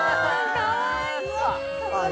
かわいい！